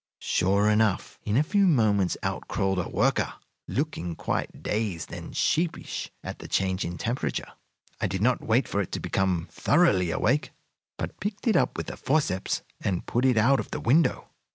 Sure enough, in a few moments out crawled a worker, looking quite dazed and sheepish at the change in temperature. I did not wait for it to become thoroughly awake, but picked it up with the forceps and put it out of the window.